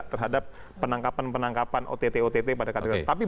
terhadap penangkapan penangkapan ott ott pada kadernya